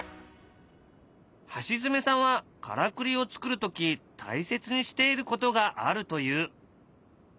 橋爪さんはからくりを作る時大切にしていることがあるという。